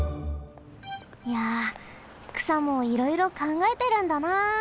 いやくさもいろいろかんがえてるんだなあ。